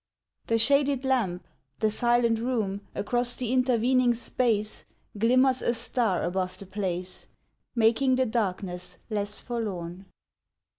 The shaded lamp, the silent room, Across the intervening space Glimmers a star above the place, Making the darkness less forlorn.